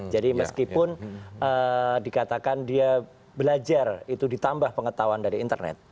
jadi meskipun dikatakan dia belajar itu ditambah pengetahuan dari internet